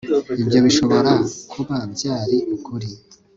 ibyo bishobora kuba byari ukuri